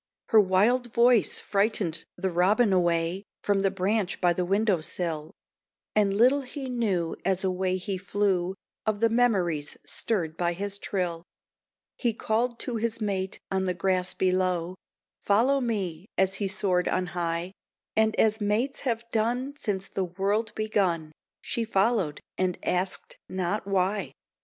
Her wild voice frightened the robin away From the branch by the window sill; And little he knew as away he flew, Of the memories stirred by his trill. He called to his mate on the grass below, "Follow me," as he soared on high; And as mates have done since the world begun She followed, and asked not why.